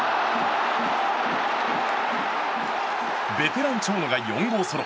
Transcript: ベテラン長野が４号ソロ。